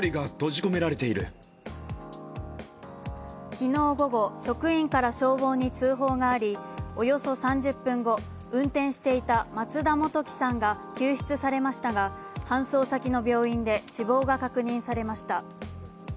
昨日午後、職員から消防に通報がありおよそ３０分後、運転していた松田元気さんが救出されましたが搬送先の病院で死亡が確認されました。